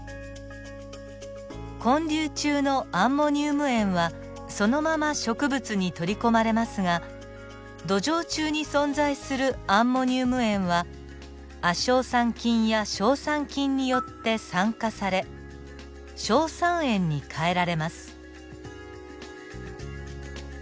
根粒中のアンモニウム塩はそのまま植物に取り込まれますが土壌中に存在するアンモニウム塩は亜硝酸菌や硝酸菌によって酸化され硝酸塩に変えられます。